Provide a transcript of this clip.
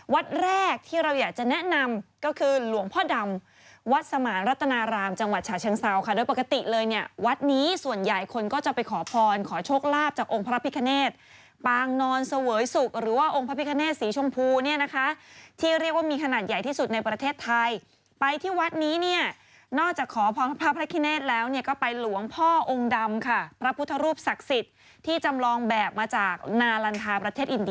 วัดแรกที่เราอยากจะแนะนำก็คือหลวงพ่อดำวัดสมารรถนารามจังหวัดฉาชังเศร้าค่ะโดยปกติเลยเนี่ยวัดนี้ส่วนใหญ่คนก็จะไปขอพรขอโชคลาภจากองค์พระพิคเนตรปางนอนเสวยสุกหรือว่าองค์พระพิคเนตรสีชมพูเนี่ยนะคะที่เรียกว่ามีขนาดใหญ่ที่สุดในประเทศไทยไปที่วัดนี้เนี่ยนอกจากขอพรพระพระคิเนตรแล้